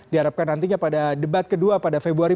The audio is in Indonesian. diharapkan nantinya pada debat kedua pada februari